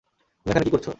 তুমি এখানে কি করছ?